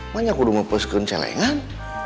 mani aku udah mau pesekun celengan